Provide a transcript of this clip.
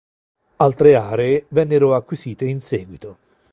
Altre aree vennero acquisite in seguito.